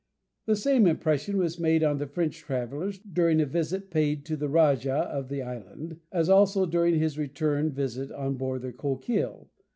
The same impression was made on the French travellers during a visit paid to the rajah of the island, as also during his return visit on board the Coquille.